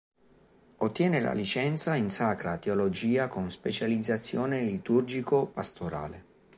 Ottiene la licenza in sacra teologia con specializzazione liturgico‑pastorale.